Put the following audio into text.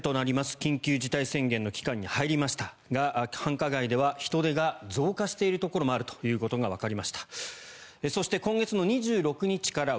緊急事態宣言の期間に入りましたが繁華街では人出が増加しているところがあるということもわかりました。